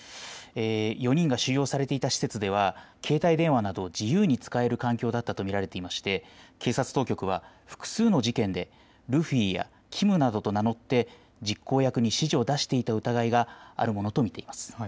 ４人が収容されていた施設では携帯電話などを自由に使える環境だったと見られていまして警察当局は複数の事件でルフィやキムなどと名乗って実行役に指示を出していた疑いがあるものと見ています。